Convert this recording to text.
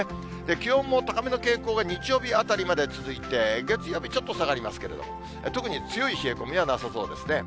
気温も高めの傾向が日曜日あたりまで続いて、月曜日ちょっと下がりますけれど、特に強い冷え込みはなさそうですね。